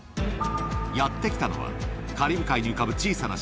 やって来たのはカリブ海に浮かぶ小さな島